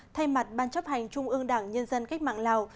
thay mặt ban chấp hành trung ương đảng nhân dân cách mạng lào